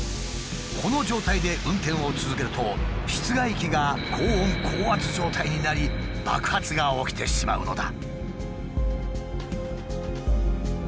この状態で運転を続けると室外機が高温・高圧状態になり爆発が起きてしまうのだ。